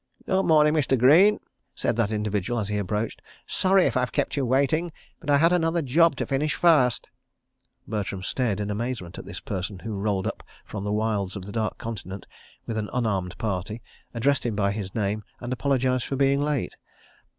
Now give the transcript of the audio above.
"Good morning, Mr. Greene," said that individual, as he approached. "Sorry if I've kept you waiting, but I had another job to finish first." Bertram stared in amazement at this person who rolled up from the wilds of the Dark Continent with an unarmed party, addressed him by name, and apologised for being late!